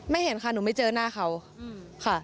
เห็นค่ะหนูไม่เจอหน้าเขาค่ะ